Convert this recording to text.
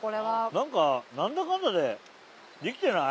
なんか何だかんだでできてない？